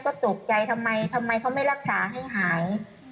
ก็จูบใจทำไมเขาไม่รักษาให้หาย